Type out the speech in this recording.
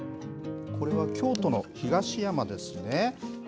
これは京都の東山ですね。